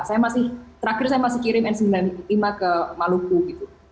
saya masih terakhir saya masih kirim n sembilan puluh lima ke maluku gitu